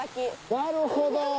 なるほど！